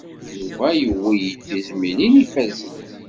Yuba yuwey-d tizmilin ifazen.